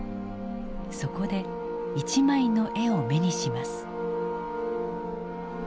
そこで一枚の絵を目にします。